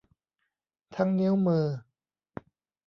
ทั้งนิ้วมือ